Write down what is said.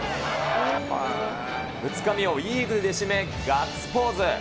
２日目をイーブルで締め、ガッツポーズ。